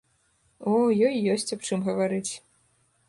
О, ёй ёсць аб чым гаварыць.